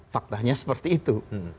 faktanya seperti itu